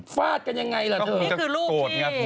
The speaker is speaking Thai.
ฟาดกันยังไงล่ะเถอะ